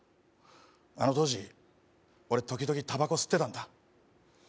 あの当時、俺、時々たばこ吸ってたんだ。